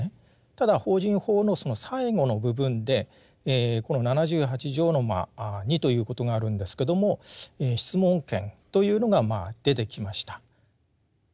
ただ法人法のその最後の部分でこの七十八条の二ということがあるんですけども質問権というのがまあ出てきました。